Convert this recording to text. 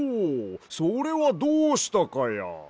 それはどうしたかや？